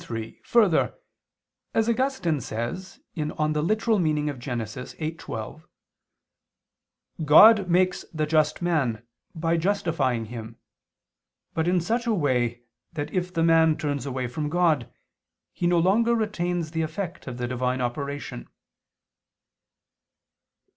3: Further, as Augustine says (Gen. ad lit. viii, 12) "God makes the just man, by justifying him, but in such a way, that if the man turns away from God, he no longer retains the effect of the Divine operation."